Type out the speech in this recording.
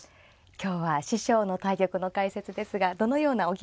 今日は師匠の対局の解説ですがどのようなお気持ちですか。